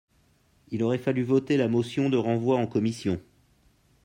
Il aurait fallu voter la motion de renvoi en commission